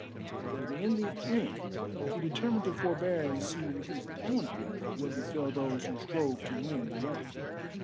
But in the end he determined to forbear and see with his own eyes what befell those who strove to win the way.